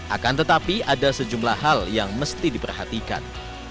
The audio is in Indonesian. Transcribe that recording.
akan tetapi ada sejumlah hal yang mesti diperhatikan